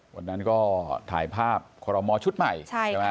วันนั้นก็ถ่ายภาพคอรมอชุดใหม่ใช่ไหม